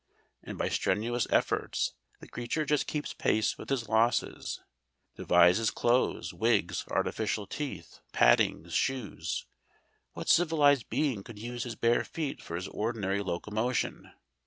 And by strenuous efforts the creature just keeps pace with his losses devises clothes, wigs, artificial teeth, paddings, shoes what civilised being could use his bare feet for his ordinary locomotion?